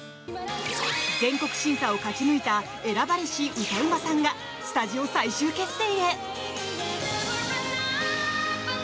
全国審査を勝ち抜いた選ばれし歌うまさんがスタジオ最終決戦へ！